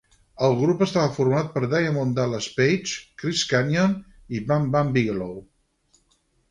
El grup estava format per Diamond Dallas Page, Chris Kanyon i Bam Bam Bigelow.